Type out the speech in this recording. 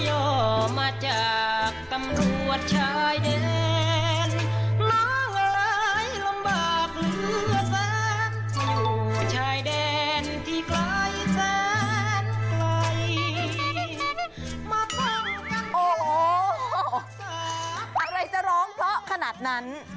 อะไรจะร้องเพราะขนาดนั้น